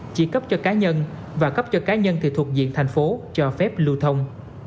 chỉ cấp cho cá nhân và cấp cho cá nhân thì thuộc diện thành phố cho phép lưu thông